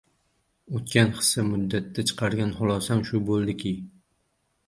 O‘tgan qisqa muddatda chiqargan xulosam shu bo‘ldiki